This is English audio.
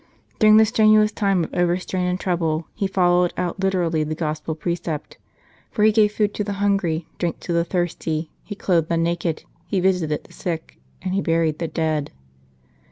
During this strenuous time of overstrain and trouble, he followed out literally the Gospel precept, for he gave food to the hungry, drink to the thirsty; he clothed the naked, he visited the sick, and he buried the dead.